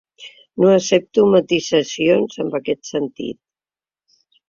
No accepto matisacions en aquest sentit